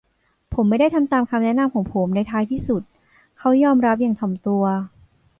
ผมไม่ได้ทำตามคำแนะนำของผมในท้ายที่สุด เขายอมรับอย่างถ่อมตัว